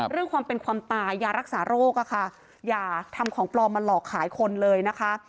เรื่องความเป็นความตายยารักษาโรคอะค่ะอย่าทำของปลอมมาหลอกขายคนเลยนะคะ